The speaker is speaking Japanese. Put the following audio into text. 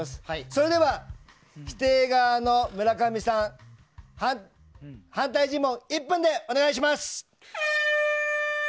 それでは、否定側の村上さん反対尋問、１分でお願いします。